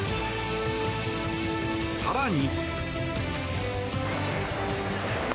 更に。